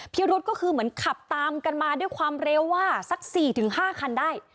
พิรุษก็คือเหมือนขับตามกันมาด้วยความเร็วว่าสัก๔๕คันได้